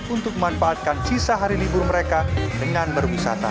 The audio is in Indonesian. untuk memanfaatkan sisa hari libur mereka dengan berwisata